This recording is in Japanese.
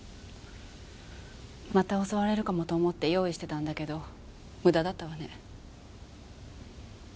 また襲われるかもと思って用意してたんだけど無駄だったわね。